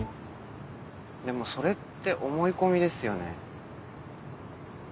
でもそれって思い込みですよね。